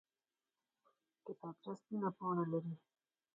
کتابچه سپینه پاڼه لري